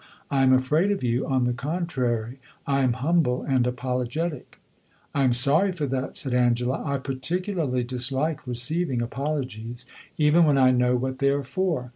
I am afraid of you, on the contrary; I am humble and apologetic." "I am sorry for that," said Angela. "I particularly dislike receiving apologies, even when I know what they are for.